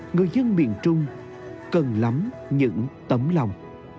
người dân miền trung cần lắm những tấm lòng